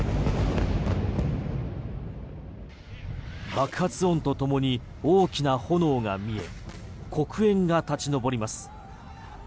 爆発音とともに大きな炎が見え黒煙が立ち上ります。